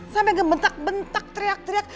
sampai gemetak bentak teriak teriak